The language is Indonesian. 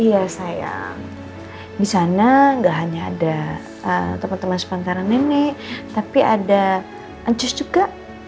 iya sayang disana nggak hanya ada teman teman sepantaran nenek tapi ada ancus juga